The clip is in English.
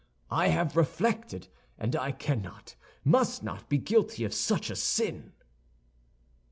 I have reflected, and I cannot, must not be guilty of such a sin."